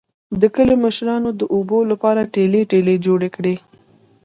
د کلي مشرانو د اوبو لپاره ټلۍ ټلۍ جوړې کړې